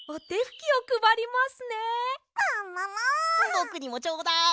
ぼくにもちょうだい！